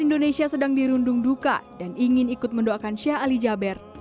indonesia sedang dirundung duka dan ingin ikut mendoakan sheikh ali jaber